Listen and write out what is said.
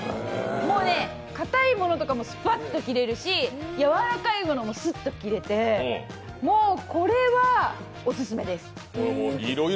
もうね、堅いものとかもスパッと切れるし、やわらかいものもスッと切れてもう、これはオススメです。